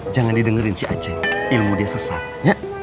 jangan didengerin si aceh ilmu dia sesat ya